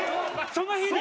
その日に？